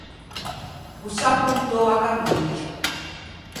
O s’à appontou a camixa.